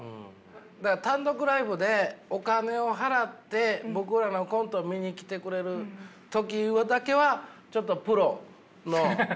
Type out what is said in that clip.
単独ライブでお金を払って僕らのコント見に来てくれる時だけはちょっとプロの。